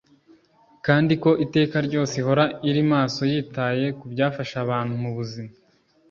kandi ko iteka ryose ihora iri maso yitaye ku byafasha abantu mu buzima.